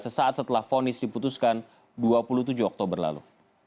sesaat setelah fonis diputuskan dua puluh tujuh oktober lalu